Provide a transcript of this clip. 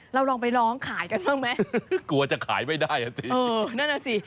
ลองไปร้องขายกันบ้างไหมกลัวจะขายไม่ได้อ่ะสิเออนั่นน่ะสิ